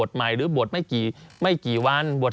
สนุนโดยหวานได้ทุกที่ที่มีพาเลส